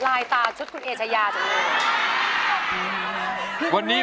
ลายตาชุดคุณเอเชยาจังเลย